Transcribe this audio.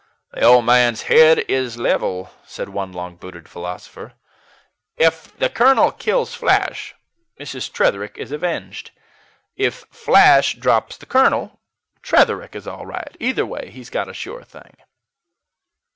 "The old man's head is level," said one long booted philosopher. "Ef the colonel kills Flash, Mrs. Tretherick is avenged: if Flash drops the colonel, Tretherick is all right. Either way, he's got a sure thing."